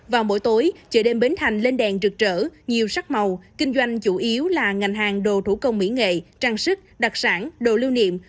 vào mỗi tối chợ đêm bến thành lên đèn trực trở nhiều sắc màu kinh doanh chủ yếu là ngành hàng đồ thủ công mỹ nghệ trang sức đặc sản đồ lưu niệm